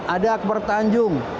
ada akbar tanjung